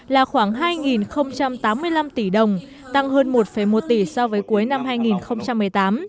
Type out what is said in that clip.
là khoảng hai tám mươi năm tỷ đồng tăng hơn một một tỷ so với cuối năm hai nghìn một mươi tám